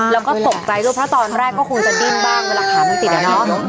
แล้วก็ตกใจด้วยเพราะตอนแรกก็คงจะดิ้นบ้างเวลาขามันติดอะเนาะ